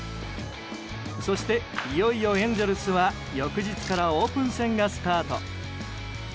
そして、いよいよエンゼルスは翌日からオープン戦がスタート。